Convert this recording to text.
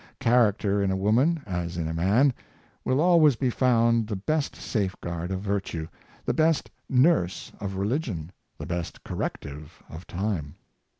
Character in a woman, as in a man, will always be found the best safeguard of virtue, the best nurse of religion, the best corrective of Time.